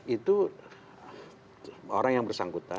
itu orang yang bersangkutan